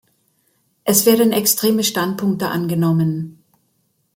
Es werden extreme Standpunkte angenommen.